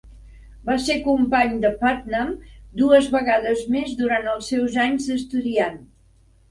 Va ser company de Putnam dues vegades més durant els seus anys d'estudiant.